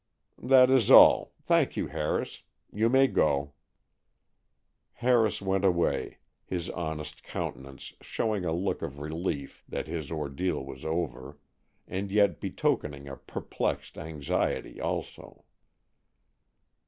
"That is all, thank you, Harris. You may go." Harris went away, his honest countenance showing a look of relief that his ordeal was over, and yet betokening a perplexed anxiety also.